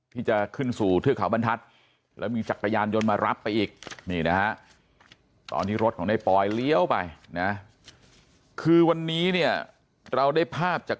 ที่จะขึ้นสู่เทือกขาวบรรทัศน์แล้วมีจักรยานยนต์มารับไปอีกนี่นะฮะ